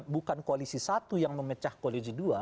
bukan koalisi satu yang memecah koalisi dua